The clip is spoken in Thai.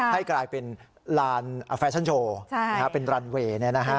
ให้กลายเป็นลานแฟชั่นโชว์เป็นรันเวย์